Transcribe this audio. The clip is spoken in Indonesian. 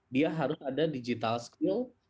dia harus ada digital skill